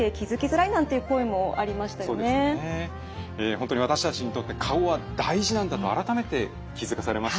本当に私たちにとって顔は大事なんだと改めて気付かされました。